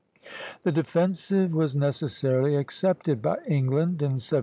The defensive was necessarily accepted by England in 1778.